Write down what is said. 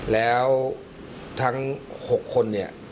แล้วทั้ง๖คน